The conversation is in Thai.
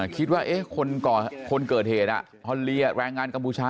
คิดว่าคนเกิดเหตุฮอลเลียแรงงานกัมพูชา